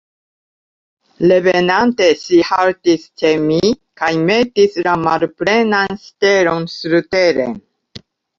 Revenante, ŝi haltis ĉe mi kaj metis la malplenan sitelon surteren.